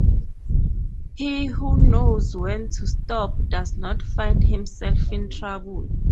He who knows when to stop does not find himself in trouble.